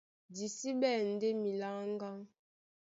Di sí ɓɛ̂n ndé miláŋgá,